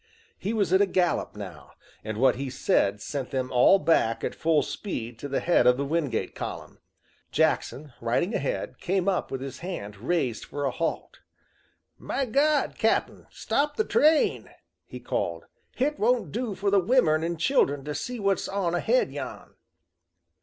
He was at a gallop now, and what he said sent them all back at full speed to the head of the Wingate column. Jackson riding ahead, came up with his hand raised for a halt. "My God, Cap'n, stop the train!" he called. "Hit won't do for the womern and children to see what's on ahead yan!"